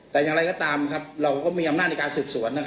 แต่อย่างไรก็ตามเราก็มีอำนาจในการสืบสวน